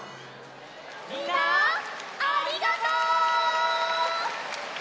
みんなありがとう！